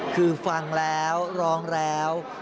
คือฟังแล้วร้องแล้ว